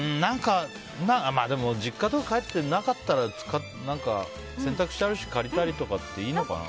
まあ、実家とか帰ってなかったら洗濯してあるし借りるのもいいのかな。